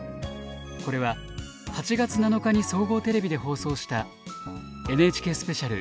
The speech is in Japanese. これは８月７日に総合テレビで放送したＮＨＫスペシャル「戦火の放送局